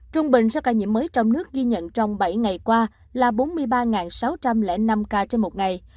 trung bình số ca nhiễm mới trong nước ghi nhận trong bảy ngày qua là bốn mươi ba sáu trăm linh năm ca trên một ngày